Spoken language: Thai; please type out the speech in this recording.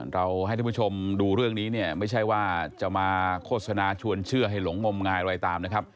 เราให้ท่านผู้ชมดูเรื่องนี้เนี่ยไม่ใช่ว่าจะมาโฆษณาชวนเชื่อให้หลงงมงายอะไรตามนะครับ